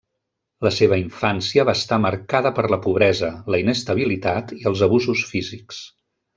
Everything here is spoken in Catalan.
La seva infància va estar marcada per la pobresa, la inestabilitat i els abusos físics.